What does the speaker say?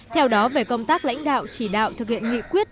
theo đó về công tác lãnh đạo chỉ đạo thực hiện nghị quyết